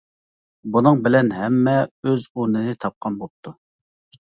بۇنىڭ بىلەن ھەممە ئۆز ئورنىنى تاپقان بوپتۇ.